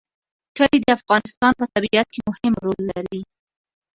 کلي د افغانستان په طبیعت کې مهم رول لري.